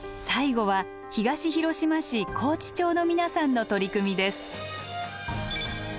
最後は東広島市河内町の皆さんの取り組みです。